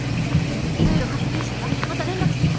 いろいろ確認したらまた連絡する。